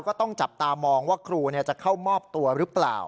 ก็ต้องจับตามองว่าครูจะเข้ามอบตัวหรือเปล่า